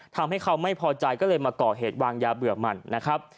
ทำให้เขาไม่พอใจก็เลยมาก่อเหตุวางยาเบื่อมันนะครับ